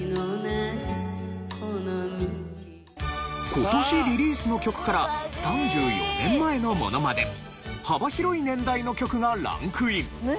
今年リリースの曲から３４年前のものまで幅広い年代の曲がランクイン。